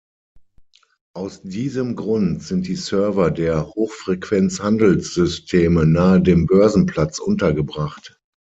Aus diesem Grund sind die Server der Hochfrequenzhandelssysteme nahe dem Börsenplatz untergebracht.